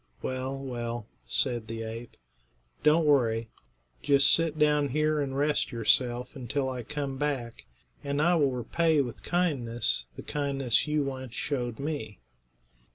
"Well, well," said the ape; "don't worry. Just sit down here and rest yourself until I come back, and I will repay with kindness the kindness you once showed me."